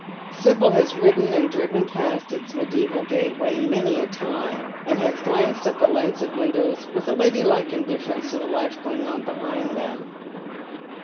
Sibyl has ridden and driven past its mediseval gateway many a time, and haa glanced at the lancet windows with a ladylike indifference to the life going on behind them.